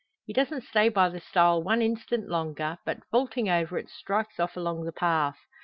He doesn't stay by the stile one instant longer, but, vaulting over it, strikes off along the path.